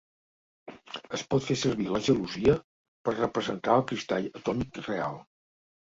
Es pot fer servir la gelosia per representar el cristall atòmic real.